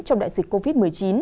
trong đại dịch covid một mươi chín